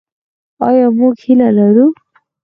آیا موږ هیله لرو؟